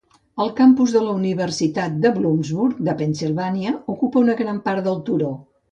El campus de la Universitat Bloomsburg de Pennsylvania ocupa una gran part del turó.